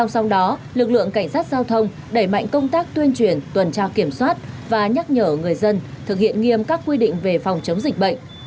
sau đó lực lượng cảnh sát giao thông đẩy mạnh công tác tuyên truyền tuần tra kiểm soát và nhắc nhở người dân thực hiện nghiêm các quy định về phòng chống dịch bệnh